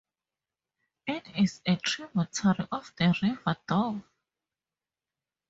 It is a tributary of the River Dove.